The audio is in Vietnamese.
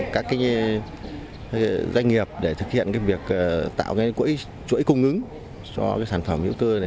các doanh nghiệp để thực hiện việc tạo chuỗi cung ứng cho sản phẩm hữu cơ